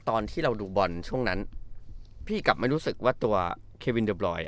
ตอนที่เราดูบอลช่วงนั้นพี่กลับไม่รู้สึกว่าตัวเควินเดอร์บรอย